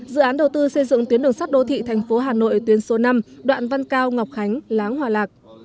dự án đầu tư xây dựng tuyến đường sắt đô thị thành phố hà nội tuyến số năm đoạn văn cao ngọc khánh láng hòa lạc